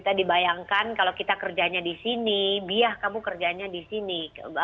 tadi bayangkan kalau kita kerjanya di sini biar kamu kerjanya di sini